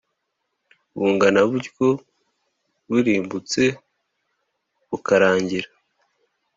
bungana butyo burimbutse bukarangira